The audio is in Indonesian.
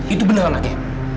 itu beneran naga